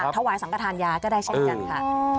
ถ่วงสังกระทานยาก็ได้เช่นกัน